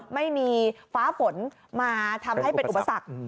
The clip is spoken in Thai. ไม่มีฟ้าฝนมาทำให้เป็นอุปสรรค